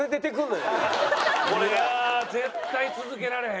いやあ絶対続けられへん。